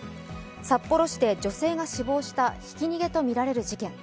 札幌市で女性が死亡したひき逃げとみられる事件。